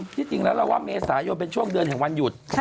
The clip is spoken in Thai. ที่จริงแล้วเราว่าเมษายนเป็นโชคเดือนในวันหยุด